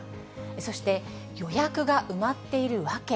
そして予約が埋まっている訳。